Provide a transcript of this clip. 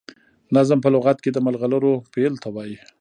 نظم په لغت کي د ملغرو پېيلو ته وايي.